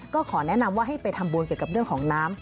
ก็ขอแนะนำว่าให้ไปทำบุญเกี่ยวกับเรื่องของน้ำ